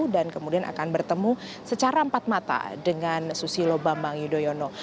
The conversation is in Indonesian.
dan kemudian akan bertemu secara empat mata dengan susilo bambang gidayono